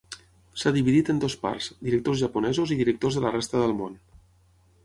S'ha dividit en dues parts: directors japonesos i directors de la resta del món.